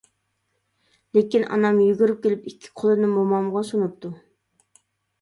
لېكىن ئانام يۈگۈرۈپ كېلىپ، ئىككى قولىنى مومامغا سۇنۇپتۇ.